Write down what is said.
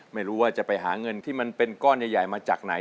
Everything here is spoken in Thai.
ไม่รู้ว่าจะไปหาเงินที่มันเป็นก้อนใหญ่มาจากไหน